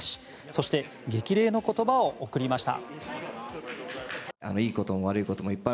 そして激励の言葉を贈りました。